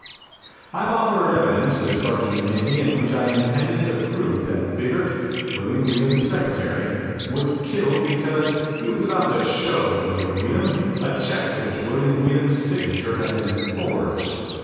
"I have offered evidence to Sergeant McGinty in which I intended to prove that Biggert, William Weedham's secretary, was killed because he was about to show to William Weedham a check to which William Weedham's signature had been forged.